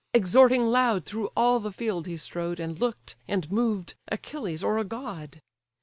Exhorting loud through all the field he strode, And look'd, and moved, Achilles, or a god.